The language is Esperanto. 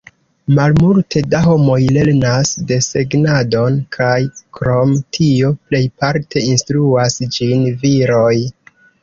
Malmulte da homoj lernas desegnadon, kaj krom tio plejparte instruas ĝin viroj.